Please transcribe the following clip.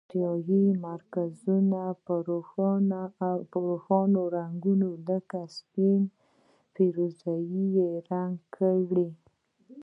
روغتیایي مرکزونه په روښانه رنګونو لکه سپین او پیروزه یي رنګ کړئ.